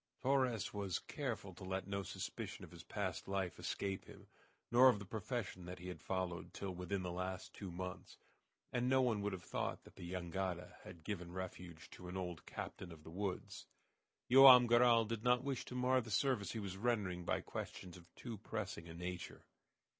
Torres was careful to let no suspicion of his past life escape him, nor of the profession that he had followed till within the last two months, and no one would have thought that the jangada had given refuge to an old captain of the woods. Joam Garral did not wish to mar the service he was rendering by questions of too pressing a nature.